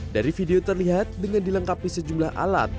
dari video terlihat dengan dilengkapi sejumlah alat